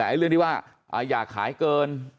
แต่เรื่องที่ว่าอยากขายเกิน